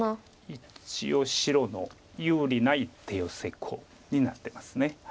一応白の有利な一手ヨセコウになってます。